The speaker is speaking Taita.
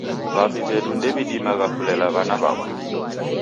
W'avi w'edu ndew'idimagha kulela w'ana w'aw'o.